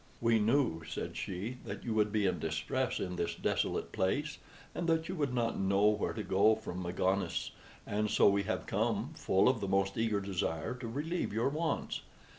"We knew," said she, "that you would be in distress in this desolate place, and that you would not know where to go from Magones; and so we have come, full of the most eager desire to relieve your wants.